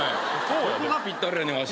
どこがぴったりやねんわしに。